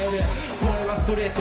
俺はストレート。